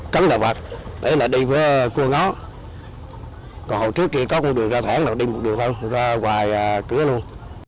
cắn đào bạc đấy là đi với cua ngó còn hầu trước kia có một đường ra thoảng là đi một đường thôi ra hoài cửa luôn